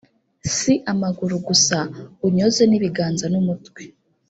si amaguru gusa unyoze n’ibiganza n’umutwe